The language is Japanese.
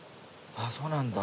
あっそうなんだ。